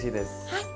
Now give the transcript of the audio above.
はい。